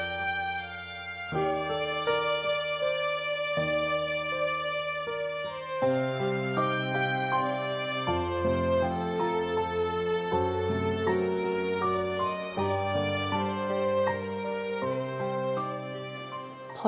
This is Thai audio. ไม่ต้องเป็นภาระของคนอื่นเขาอย่างให้เขายิ้มล่าเรืองเหมือนคนอื่นเขานะครับ